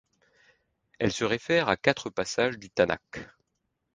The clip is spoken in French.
Elles se réfèrent à quatre passages du Tanakh.